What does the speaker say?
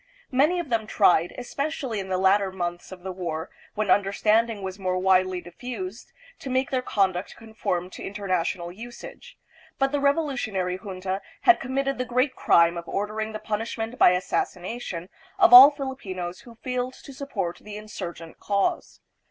Many of them tried, especially in the latter months of the war, when understanding was more widely diffused, to make their conduct conform to international usage; but the revolutionary junta had committed the great crime of ordering the punishment by assassination of all Filipinos who failed to support the insurgent cause.